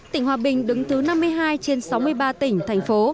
tỉnh hòa bình đứng thứ năm mươi hai trên sáu mươi ba tỉnh thành phố